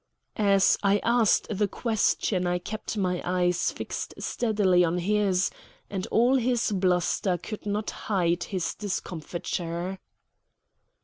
As I asked the question I kept my eyes fixed steadily on his, and all his bluster could not hide his discomfiture.